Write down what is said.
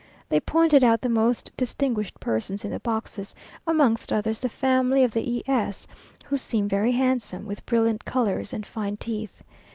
They pointed out the most distinguished persons in the boxes, amongst others the family of the E s, who seem very handsome, with brilliant colours and fine teeth.